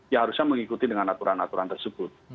ya harusnya mengikuti dengan aturan aturan tersebut